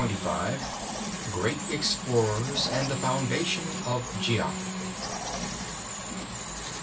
XXV GREAT EXPLORERS AND THE FOUNDATION OF GEOGRAPHY.